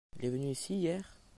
Il est venu ici hier ?